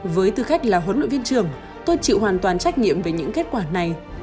với tư cách là huấn luyện viên trưởng tôi chịu hoàn toàn trách nhiệm về những kết quả này